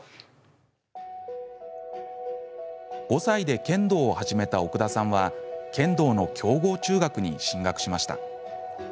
５歳で剣道を始めた奥田さんは剣道の強豪中学に進学しました。